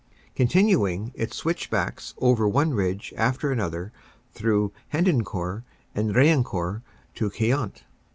Continuing, it switchbacks over one ridge after another through Hendecourt and Riencourt to Queant.